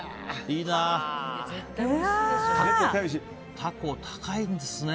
タコ、高いんですね。